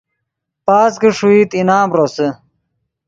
پاس کہ ݰوئیت انعام روسے